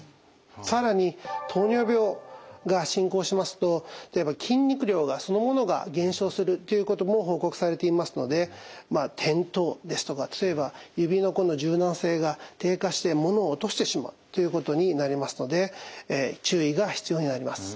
さらに糖尿病が進行しますと例えば筋肉量がそのものが減少するということも報告されていますので転倒ですとか例えば指の柔軟性が低下してものを落としてしまうということになりますので注意が必要になります。